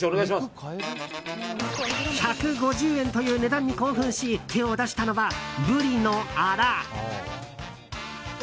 １５０円という値段に興奮し手を出したのは、ブリのあら。